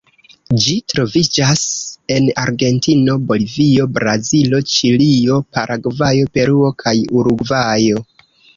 Ĝi troviĝas en Argentino, Bolivio, Brazilo, Ĉilio, Paragvajo, Peruo kaj Urugvajo.